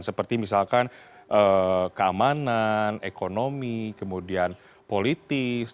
seperti misalkan keamanan ekonomi kemudian politis